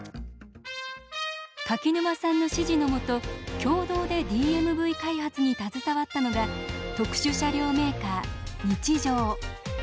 柿沼さんの指示のもと共同でＤＭＶ開発に携わったのが特殊車両メーカー